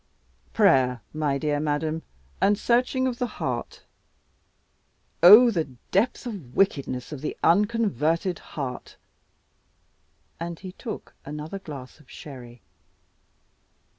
"Prayer, my dear Madam, and searching of the heart. Oh the depth of the wickedness of the unconverted heart!" And he took another glass of sherry.